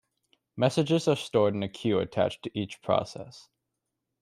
Messages are stored in a queue attached to each process.